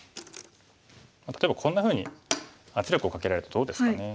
例えばこんなふうに圧力をかけられるとどうですかね。